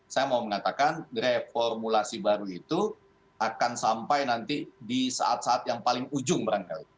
saya mau mengatakan reformulasi baru itu akan sampai nanti di saat saat yang paling ujung barangkali